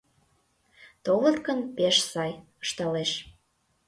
— Толыт гын, пеш сай! — ышталеш.